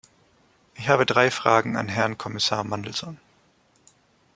Ich habe drei Fragen an Herrn Kommissar Mandelson.